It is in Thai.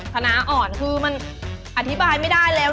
ชนะอ่อนคือมันอธิบายไม่ได้แล้ว